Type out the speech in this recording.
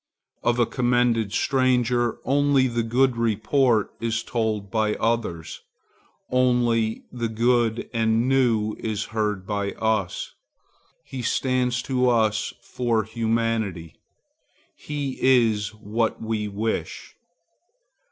Of a commended stranger, only the good report is told by others, only the good and new is heard by us. He stands to us for humanity. He is what we wish.